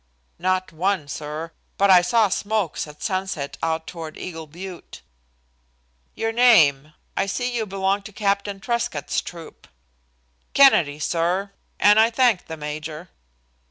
"Not one, sir, but I saw smokes at sunset out toward Eagle Butte." "Your name I see you belong to Captain Truscott's troop." "Kennedy, sir; and I thank the major."